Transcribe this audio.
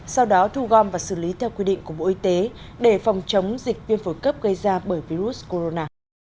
sau đó thu gom và xử lý theo quy định của bộ y tế để phòng chống dịch viêm phổi cấp gây ra bởi virus corona